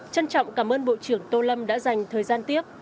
trân trọng cảm ơn bộ trưởng tô lâm đã dành thời gian tiếp